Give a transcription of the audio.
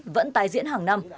vẫn tái diễn hàng năm